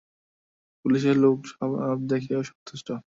পুলিশের লোক সব দেখে সন্তুষ্ট।